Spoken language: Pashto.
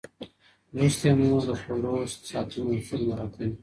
لوستې مور د ؛خوړو د ساتنې اصول مراعتوي.